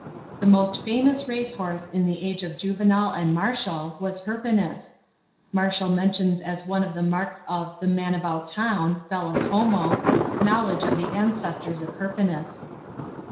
The most famous race horse in the age of Juvenal and Ma tial was Hirpinus. Martial mentions as one of the marks of the "man about town" (bellus homo) knowledge of the ancestors of Hiriinus.